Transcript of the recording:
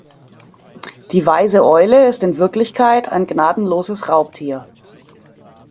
Die weise Eule ist in Wirklichkeit ein gnadenloses Raubtier.